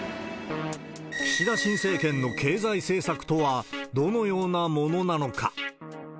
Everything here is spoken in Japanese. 岸田新政権の経済政策とはどのようなものなのか。